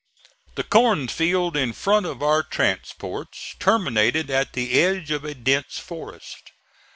The cornfield in front of our transports terminated at the edge of a dense forest.